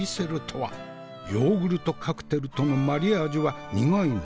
ヨーグルトカクテルとのマリアージュは苦いの？